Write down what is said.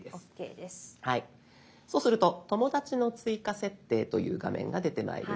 そうすると「友だちの追加設定」という画面が出てまいります。